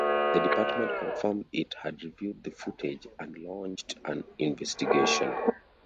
The Department confirmed it had reviewed the footage and launched an investigation.